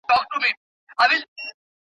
د ټولني سلامتيا په نظم کي ده.